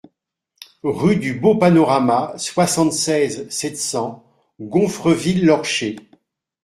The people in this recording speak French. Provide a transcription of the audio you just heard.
Rue du Beau Panorama, soixante-seize, sept cents Gonfreville-l'Orcher